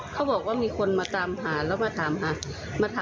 เขาบอกว่ามีคนมาตามหาแล้วมาถามชื่อนำสกุล